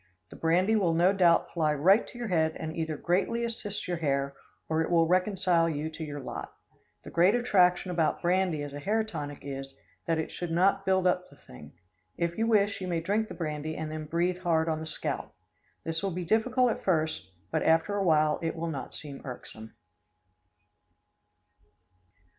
The brandy will no doubt fly right to your head and either greatly assist your hair or it will reconcile you to your lot. The great attraction about brandy as a hair tonic is, that it should not build up the thing. If you wish, you may drink the brandy and then breathe hard on the scalp. This will be difficult at first but after awhile it will not seem irksome.